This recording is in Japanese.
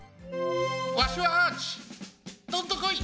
わしはアーチどんとこい！